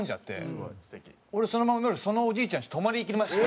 俺そのまま夜そのおじいちゃんちに泊まり行きまして。